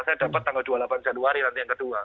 saya dapat tanggal dua puluh delapan januari nanti yang kedua